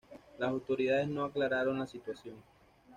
Las autoridades no aclararon la situación.